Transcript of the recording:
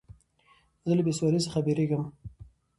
زه له بېسوادۍ څخه بېریږم.